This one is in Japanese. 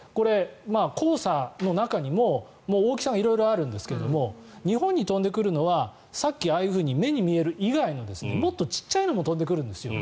黄砂の中にも大きさが色々あるんですが日本に飛んでくるのはさっきああいうふうに目に見える以外のもっと小さいのも飛んでくるんです。